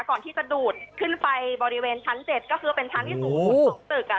ก่อนที่จะดูดขึ้นไปบริเวณชั้น๗ก็คือเป็นชั้นที่สูงสุดของตึก